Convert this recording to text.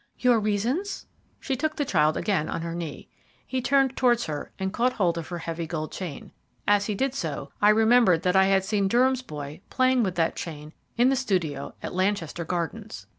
"Your reasons?" She took the child again on her knee. He turned towards her and caught hold of her heavy gold chain. As he did so I remembered that I had seen Durham's boy playing with that chain in the studio at Lanchester Gardens.